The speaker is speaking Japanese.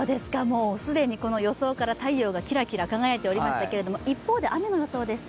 既にこの予想から太陽がキラキラ輝いていましたけど、一方で、雨の予想です。